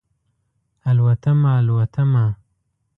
الوتمه، الوتمه